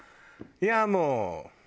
いやもう。